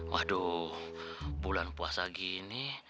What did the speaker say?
waduh bulan puasa gini